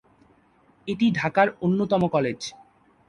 এটি ঢাকার অন্যতম কলেজ।